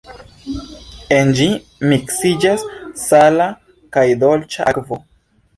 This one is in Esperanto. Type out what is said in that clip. En ĝi miksiĝas sala kaj dolĉa akvo.